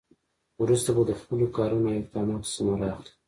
وروسته به د خپلو کارونو او اقداماتو ثمره اخلي.